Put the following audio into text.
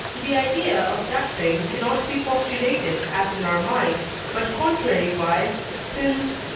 the idea of that thing cannot be postulated as in our mind, but contrariwise, since (II.